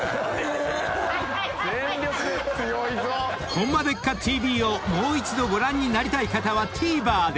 ［『ホンマでっか⁉ＴＶ』をもう一度ご覧になりたい方はＴＶｅｒで！］